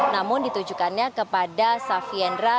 namun ditujukannya kepada safi endra